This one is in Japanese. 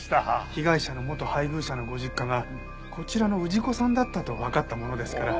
被害者の元配偶者のご実家がこちらの氏子さんだったとわかったものですから。